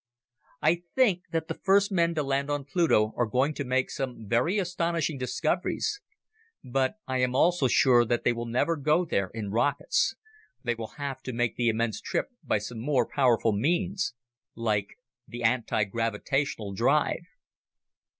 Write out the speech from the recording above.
I think that the first men to land on Pluto are going to make some very astonishing discoveries. But I am also sure that they will never go there in rockets. They will have to make the immense trip by some more powerful means like the anti gravitational drive.